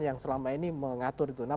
yang selama ini mengatur itu